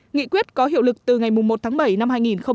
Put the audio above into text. nghị quyết có hiệu lực từ ngày một tháng bảy năm hai nghìn hai mươi